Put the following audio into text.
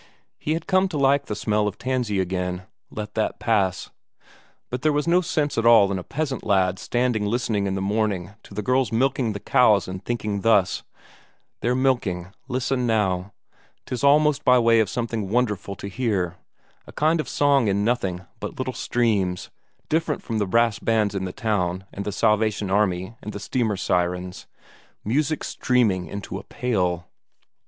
He had come to like the smell of tansy again let that pass. But there was no sense at all in a peasant lad's standing listening in the morning to the girls milking the cows and thinking thus: they're milking, listen now; 'tis almost by way of something wonderful to hear, a kind of song in nothing but little streams, different from the brass bands in the town and the Salvation Army and the steamer sirens. Music streaming into a pail....